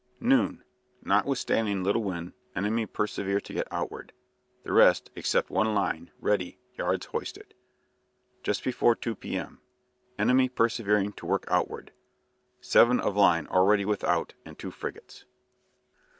Noon: "Notwithstanding little wind, enemy persevere to get outward. The rest, except one line, ready, yards hoisted." Just before 2 p.m.: "Enemy persevering to work outward. Seven of line already without and two frigates."